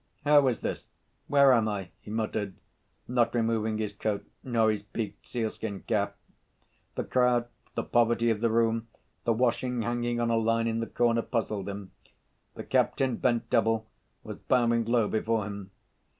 "How is this? Where am I?" he muttered, not removing his coat nor his peaked sealskin cap. The crowd, the poverty of the room, the washing hanging on a line in the corner, puzzled him. The captain, bent double, was bowing low before him.